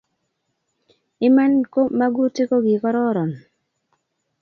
Iman ko magutik ko kikororon